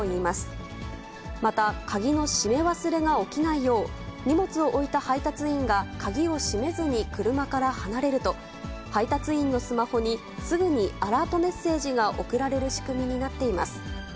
また鍵の閉め忘れが起きないよう、荷物を置いた配達員が鍵を閉めずに車から離れると、配達員のスマホに、すぐにアラートメッセージが送られる仕組みになっています。